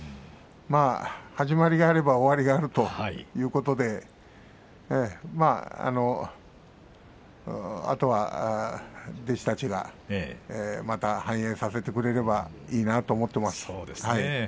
始まりがあれば終わりがあるということでまあ、あとは弟子たちがまた繁栄させてくれればいいなと思っています。